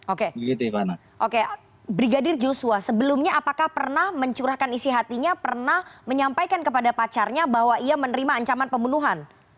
oke brigadir joshua sebelumnya apakah pernah mencurahkan isi hatinya pernah menyampaikan kepada pacarnya bahwa ia menerima ancaman pembunuhan